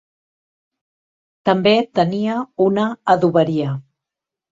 També tenia una adoberia.